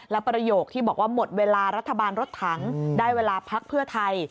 และประโยคที่บอกว่าหมดเวลารัฐบาลรถถังได้เวลาพักเพื่อไทย